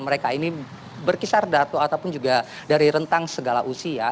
mereka ini berkisar datu ataupun juga dari rentang segala usia